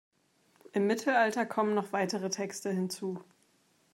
Im Mittelalter kommen noch weitere Texte hinzu.